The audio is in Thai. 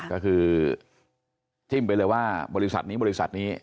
ก็คือจิ้มไปเลยว่าบริษัทนี้บริษัทนี้